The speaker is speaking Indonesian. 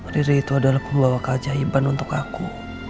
riri itu adalah pembawa kajaiban untuk aku